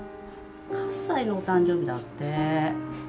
８歳のお誕生日だって。